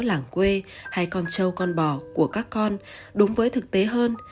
làng quê hay con trâu con bò của các con đúng với thực tế hơn